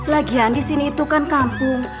lagian disini itu kan kampung